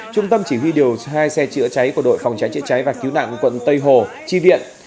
trung tâm chỉ huy điều hai xe chữa cháy của đội phòng cháy chữa cháy và cứu nạn quận tây hồ tri viện